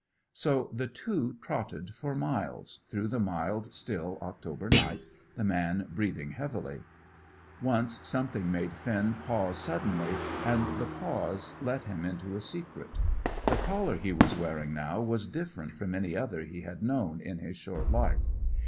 So the two trotted for miles, through the mild, still October night, the man breathing heavily. Once something made Finn pause suddenly; and the pause let him into a secret. The collar he was wearing now was different from any other he had known in his short life.